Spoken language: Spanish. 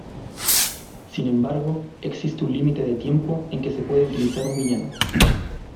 Sin embargo, existe un límite de tiempo en que se puede utilizar un villano.